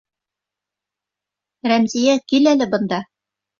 Рәмзиә, кил әле бында!